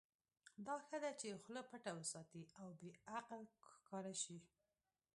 دا ښه ده چې خوله پټه وساتې او بې عقل ښکاره شې.